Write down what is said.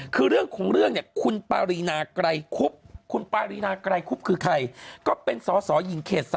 คือเรื่องคุณปารีนากรายคุบคือใครก็เป็นสอสอยิงเขต๓